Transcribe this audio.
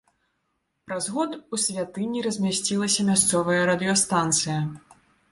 Праз год у святыні размясцілася мясцовая радыёстанцыя.